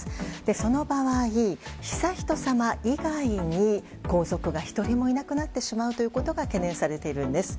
その場合、悠仁さま以外に皇族が１人もいなくなってしまうことが懸念されているんです。